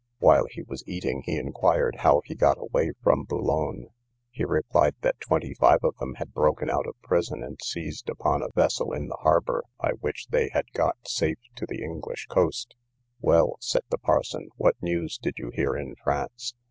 While he was eating, he inquired how he got away from Boulogne. He replied, that twenty five of them had broken out of prison, and seized upon a vessel, in the harbour, by which they had got safe to the English coast. Well, said the parson, what news did you hear in France?